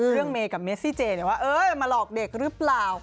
เมย์กับเมซี่เจว่ามาหลอกเด็กหรือเปล่า